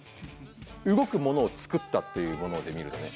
動くものをつくったっていうもので見るとね